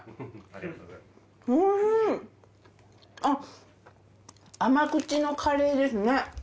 あっ甘口のカレーですね。